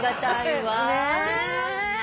わ！